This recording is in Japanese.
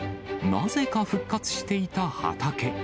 なぜか復活していた畑。